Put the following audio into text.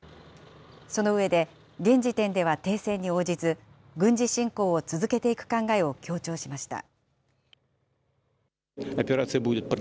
その上で、現時点では停戦に応じず、軍事侵攻を続けていく考えを強調しました。